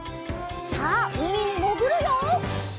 さあうみにもぐるよ！